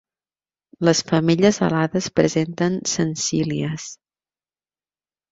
Les femelles alades presenten sensílies.